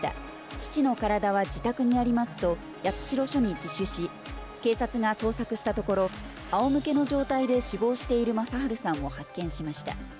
父の体は自宅にありますと八代署に自首し、警察が捜索したところ、あおむけの状態で死亡している正春さんを発見しました。